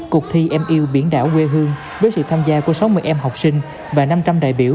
cuộc thi em yêu biển đảo quê hương với sự tham gia của sáu mươi em học sinh và năm trăm linh đại biểu